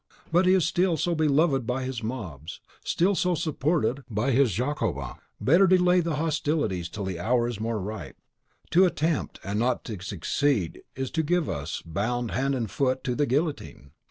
But he is still so beloved by his mobs, still so supported by his Jacobins: better delay open hostilities till the hour is more ripe. To attempt and not succeed is to give us, bound hand and foot, to the guillotine.